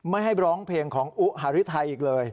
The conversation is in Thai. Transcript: ไม่ให้ร้องเพลงของอุหาริไทยอีกเลย